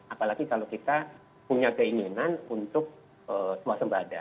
apalagi kalau kita punya keinginan untuk swasembada